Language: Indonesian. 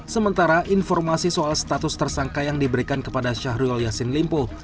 sementara informasi soal status tersangka yang diberikan kepada syahrul yassin limpo